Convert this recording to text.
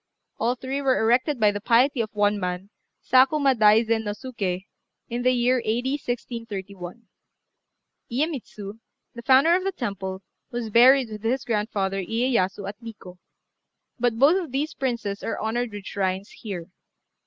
All three were erected by the piety of one man, Sakuma Daizen no Suké, in the year A.D. 1631. Iyémitsu, the founder of the temple, was buried with his grandfather, Iyéyasu, at Nikkô; but both of these princes are honoured with shrines here.